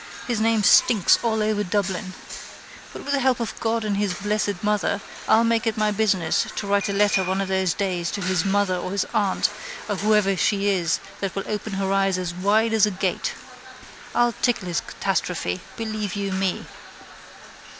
His name stinks all over Dublin. But with the help of God and His blessed mother I'll make it my business to write a letter one of those days to his mother or his aunt or whatever she is that will open her eye as wide as a gate. I'll tickle his catastrophe, believe you me.